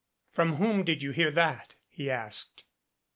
"From whom did you hear that?" he asked.